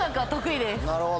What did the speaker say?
なるほど。